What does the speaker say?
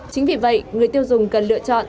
chính vì vậy người tiêu dùng cần lựa chọn